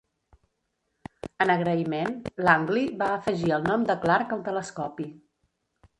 En agraïment, Langley va afegir el nom de Clark al telescopi.